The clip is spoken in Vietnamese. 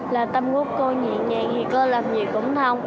là tâm ngốc cô nhẹ nhàng thì cô làm gì cũng thông